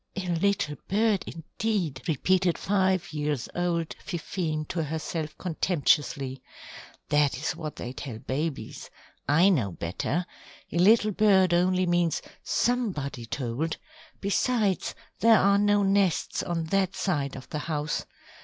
"A little bird indeed," repeated five years old Fifine to herself contemptuously. "That is what they tell babies. I know better. A little bird only means 'somebody' told. Besides, there are no nests on that side of the house.